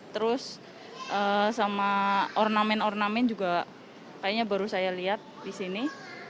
terus sama ornamen ornamen juga kayaknya baru saya lihat di sini